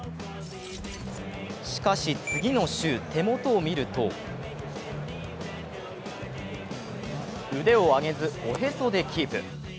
しかし、次の週、手元を見ると腕を上げず、おへそでキープ。